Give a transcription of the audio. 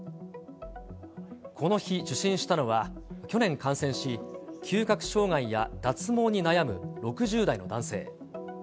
この日受診したのは、去年感染し、嗅覚障害や脱毛に悩む６０代の男性。